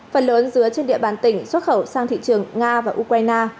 phần lớn dứa trên địa bàn tỉnh xuất khẩu sang thị trường nga và ukraine